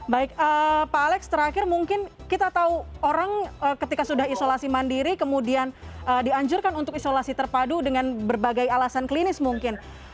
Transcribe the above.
baik pak alex terakhir mungkin kita tahu orang ketika sudah isolasi mandiri kemudian dianjurkan untuk isolasi terpadu dengan berbagai alasan klinis mungkin